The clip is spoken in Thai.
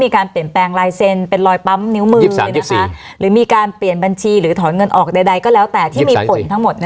การเปิดบัญชีหรือถอนเงินออกใดก็แล้วแต่ที่มีป่นทั้งหมด